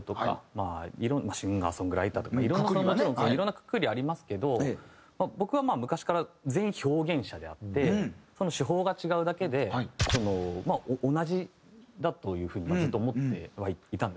いろんなもちろんいろんなくくりありますけど僕は昔から全員表現者であってその手法が違うだけで同じだという風にずっと思ってはいたんですね。